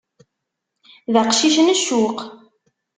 D aqcic n ccuq.